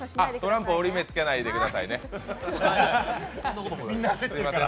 トランプ折り目つけないでくださいね。